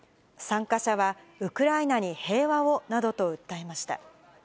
参加者は、ウクライナに平和をなどと訴えました。